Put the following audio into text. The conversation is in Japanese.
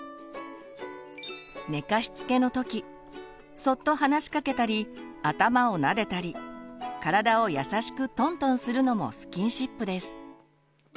寝かしつけの時そっと話しかけたり頭をなでたり体を優しくトントンするのもスキンシップです。